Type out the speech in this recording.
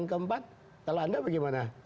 kalau anda bagaimana